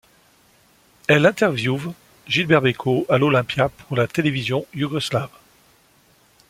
Elle interviewe Gilbert Bécaud à l'Olympia pour la télévision yougoslave.